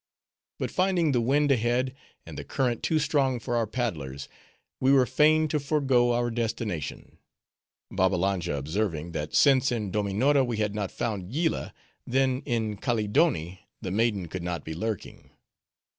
But finding the wind ahead, and the current too strong for our paddlers, we were fain to forego our destination; Babbalanja observing, that since in Dominora we had not found Yillah, then in Kaleedoni the maiden could not be lurking.